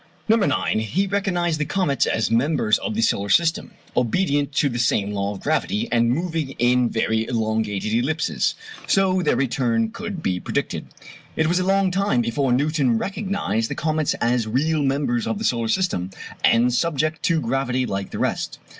No. 9. He recognized the comets as members of the solar system, obedient to the same law of gravity and moving in very elongated ellipses; so their return could be predicted. It was a long time before Newton recognized the comets as real members of the solar system, and subject to gravity like the rest.